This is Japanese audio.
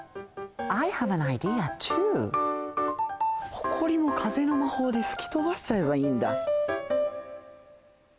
ほこりもかぜのまほうでふきとばしちゃえばいいんだ。